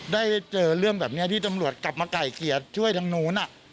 ได้เจอเรื่องแบบนี้ที่ตำรวจกลับมาไก่เกลียดช่วยทางนู้น